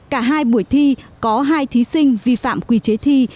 cả hai buổi thi có hai thí sinh vi phạm quy chế thi